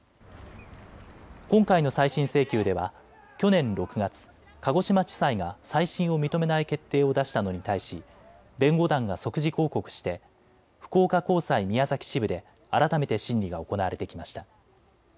今回の再審請求では去年６月、鹿児島地裁が再審を認めない決定を出したたのに対し弁護団が即時抗告して福岡高裁宮崎支部で改めて審理が行われてきました。